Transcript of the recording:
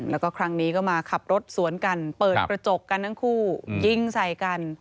แล้วก็ครั้งนี้ก็มาขับรถสวนกันเปิดกระจกกันทั้งคู่ยิงใส่กัน